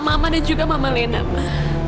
mama dan juga mama lena ma